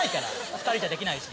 ２人じゃできないし。